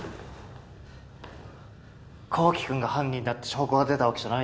紘希君が犯人だって証拠が出たわけじゃないだろ。